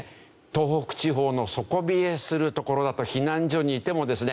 東北地方の底冷えする所だと避難所にいてもですね